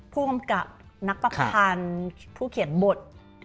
ผู้กำกับนักประพันธ์ผู้เขียนบท